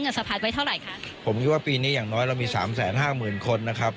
สะพัดไว้เท่าไหร่คะผมคิดว่าปีนี้อย่างน้อยเรามีสามแสนห้าหมื่นคนนะครับ